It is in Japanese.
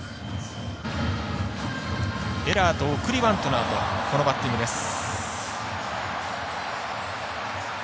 エラーと送りバントのあとこのバッティングです。